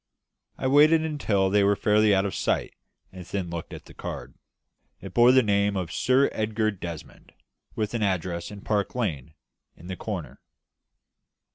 I waited till they were fairly out of sight, and then looked at the card. It bore the name of "Sir Edgar Desmond," with an address in Park Lane, in the corner.